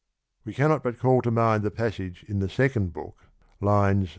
We cannot but call to mind the passage in the second book (639 sq.)